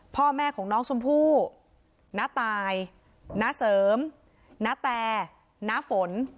พ่อแม่ของน้องชมพู่ณตายณเสริมณแต่ณฝน